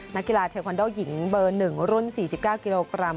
นักกีฬาเทควันโดหญิงเบอร์๑รุ่น๔๙กิโลกรัม